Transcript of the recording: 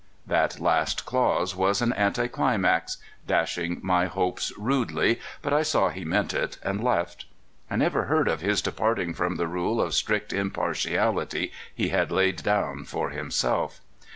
" That last clause was an anticlimax, dashing my hopes rudely; but I saw he meant it, and left. I never heard of his departing from the rule of strict impartiality he had laid down for himself.